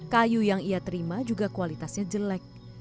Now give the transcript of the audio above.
kayu yang ia terima juga kualitasnya jelek